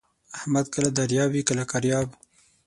احمد کله دریاب وي کله کریاب.